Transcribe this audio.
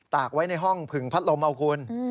กไว้ในห้องผึงพัดลมเอาคุณ